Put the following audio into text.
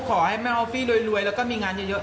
ขอให้แม่ออฟฟี่รวยแล้วก็มีงานเยอะ